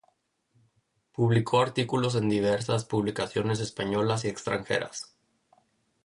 Publicó artículos en diversas publicaciones españolas y extranjeras.